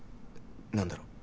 何だろう